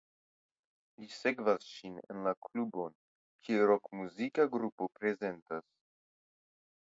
Li sekvas ŝin en la klubon kie rokmuzika grupo prezentas.